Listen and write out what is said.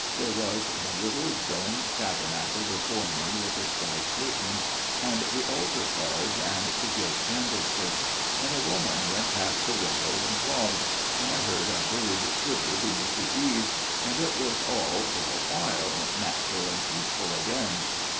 There was the little domed Tabernacle before me with its white curtains, and the altar cards and the gilt candlesticks ; and a woman went past the window in clogs ; and I heard a bird twitter 114 A MIRROR OF SHALOTT beneath the eaves, and it was all, for a while, natural and peaceful again."